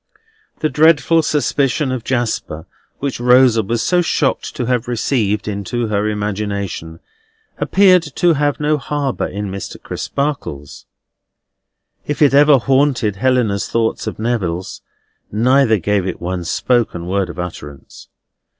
The dreadful suspicion of Jasper, which Rosa was so shocked to have received into her imagination, appeared to have no harbour in Mr. Crisparkle's. If it ever haunted Helena's thoughts or Neville's, neither gave it one spoken word of utterance.